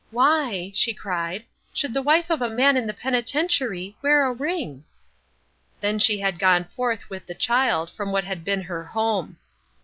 "Why," she cried, "should the wife of a man in the penitentiary wear a ring." Then she had gone forth with the child from what had been her home.